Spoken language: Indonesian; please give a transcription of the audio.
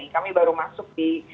kami baru masuk di